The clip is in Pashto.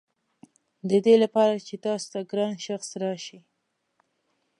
ددې لپاره چې تاسو ته ګران شخص راشي.